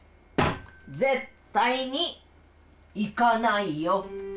絶対に行かないよ！